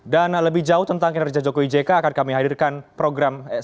dan lebih jauh tentang kinerja jokowi jk akan kami hadirkan program spi